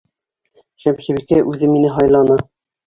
Шәмсебикә үҙе мине һайланы!